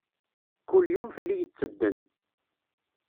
Kul yum fell-i yettedden.